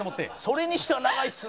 それにしては長いっすね。